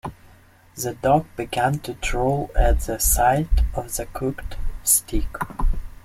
The dog began to drool at the sight of the cooked steak.